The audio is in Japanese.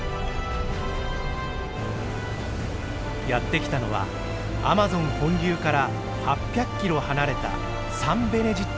やって来たのはアマゾン本流から８００キロ離れたサンベネジット川。